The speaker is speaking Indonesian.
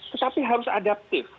tetapi harus adaptif